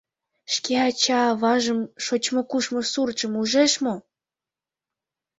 Шке ача-аважым, шочмо-кушмо суртшым ужеш мо?